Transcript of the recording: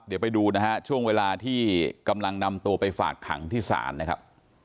เดี๋ยวไปดูนะฮะช่วงเวลาที่กำลังนำตัวไปฝากขังที่ศาลนะครับ